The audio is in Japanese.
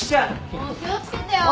もう気を付けてよ！